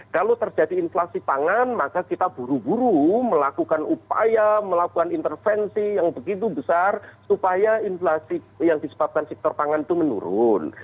kalau terjadi inflasi pangan maka kita buru buru melakukan upaya melakukan intervensi yang begitu besar supaya inflasi yang disebabkan sektor pangan itu menurun